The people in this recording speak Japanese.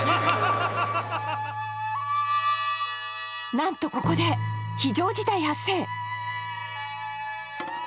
なんとここで非常事態発生！